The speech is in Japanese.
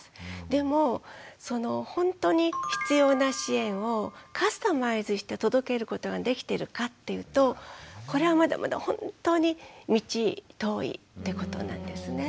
でもほんとに必要な支援をカスタマイズして届けることができてるかっていうとこれはまだまだ本当に道遠いってことなんですね。